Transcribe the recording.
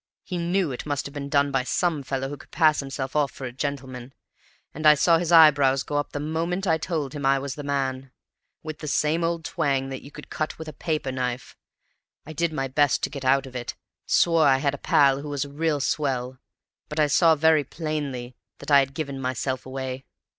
He KNEW it must have been done by some fellow who could pass himself off for a gentleman, and I saw his eyebrows go up the moment I told him I was the man, with the same old twang that you could cut with a paper knife. I did my best to get out of it swore I had a pal who was a real swell but I saw very plainly that I had given myself away.